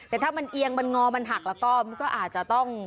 แต่ถ้ามันเอียงมันงอมันหักแล้วก็มันก็อาจจะต้อง